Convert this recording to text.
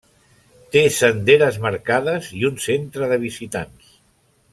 Té senderes marcades i un centre de visitants.